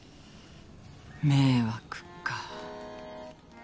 迷惑か。